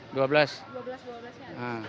dua belas dua belas nya ada